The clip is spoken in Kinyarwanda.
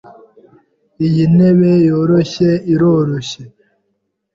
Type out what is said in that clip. Iyi ntebe yoroshye iroroshye.